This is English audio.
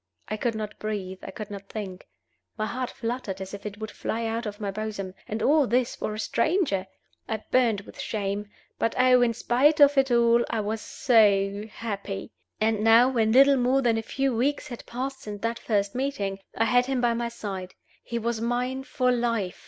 I could not breathe, I could not think; my heart fluttered as if it would fly out of my bosom and all this for a stranger! I burned with shame; but oh, in spite of it all, I was so happy! And now, when little more than a few weeks had passed since that first meeting, I had him by my side; he was mine for life!